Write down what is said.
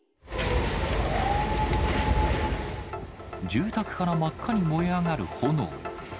住宅から真っ赤に燃え上がる炎。